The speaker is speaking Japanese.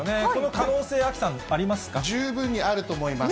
可能性、十分にあると思います。